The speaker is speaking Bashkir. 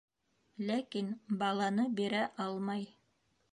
Ләкин баланы бирә алмай.